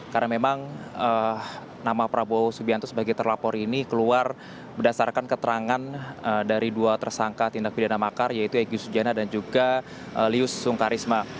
karena memang nama prabowo subianto sebagai terlapor ini keluar berdasarkan keterangan dari dua tersangka tindak pidana makar yaitu egy sujana dan juga lius sungkarisma